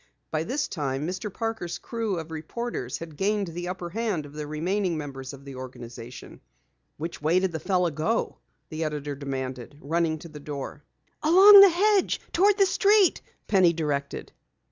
By this time, Mr. Parker's crew of reporters had gained the upperhand of the remaining members of the organization. "Which way did the fellow go?" the editor demanded, running to the door. "Along the hedge toward the street!" Penny directed.